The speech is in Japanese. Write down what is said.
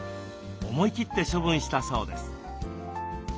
思い切って処分したそうです。